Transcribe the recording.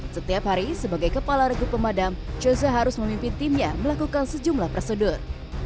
setiap hari sebagai kepala regu pemadam joza harus memimpin timnya melakukan sejumlah prosedur